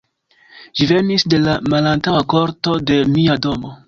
Ĝi venis de la malantaŭa korto, de mia domo.